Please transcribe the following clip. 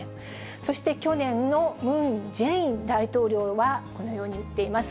そして、去年のムン・ジェイン大統領は、このように言っています。